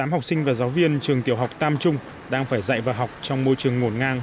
một trăm năm mươi tám học sinh và giáo viên trường tiểu học tam trung đang phải dạy và học trong môi trường ngổn ngang